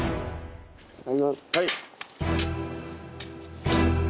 はい。